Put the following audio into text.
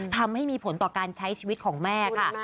ทำให้มีผลต่อการใช้ชีวิตของแม่ค่ะ